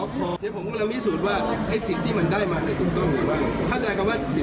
ผมจะไปดูว่าสิ้นคืออะไร